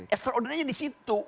extraordinarinya di situ